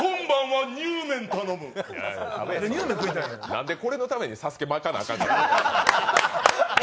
なんでこれのために「ＳＡＳＵＫＥ」巻かなあかんねん。